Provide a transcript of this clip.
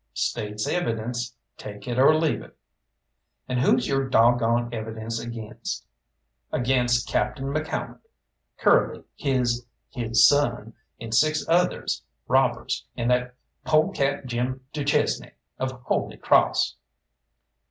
"State's evidence take it or leave it!" "And who's your dog goned evidence against?" "Against Captain McCalmont, Curly his his son, and six others, robbers, and that polecat Jim du Chesnay, of Holy Crawss."